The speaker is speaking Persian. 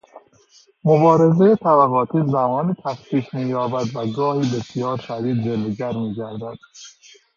مبارزهٔ طبقاتی زمانی تخفیف مییابد و گاهی بسیار شدید جلوه گر میگردد.